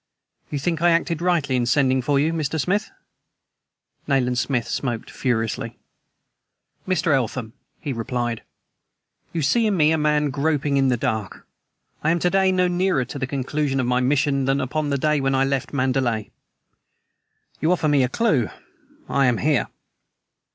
"You think I acted rightly in sending for you, Mr. Smith?" Nayland Smith smoked furiously. "Mr. Eltham," he replied, "you see in me a man groping in the dark. I am to day no nearer to the conclusion of my mission than upon the day when I left Mandalay. You offer me a clew; I am here.